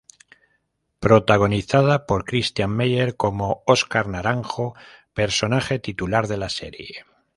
Protagonizada por Christian Meier como Óscar Naranjo personaje titular de la serie.